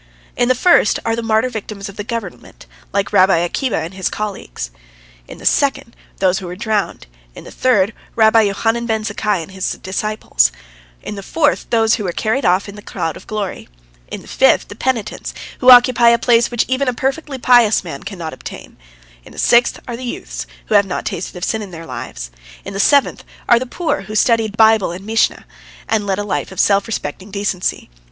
In the first are "the martyr victims of the government," like Rabbi Akiba and his colleagues; in the second those who were drowned; in the third Rabbi Johanan ben Zakkai and his disciples; in the fourth those who were carried off in the cloud of glory; in the fifth the penitents, who occupy a place which even a perfectly pious man cannot obtain; in the sixth are the youths who have not tasted of sin in their lives; in the seventh are those poor who studied Bible and Mishnah, and led a life of self respecting decency.